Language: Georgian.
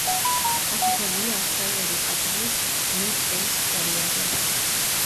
დაფუძნებულია ავსტრალიელი ყაჩაღის, ნედ კელის ისტორიაზე.